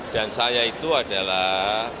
dan saya itu adalah pejabat